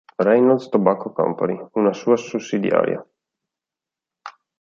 Reynolds Tobacco Company, una sua sussidiaria.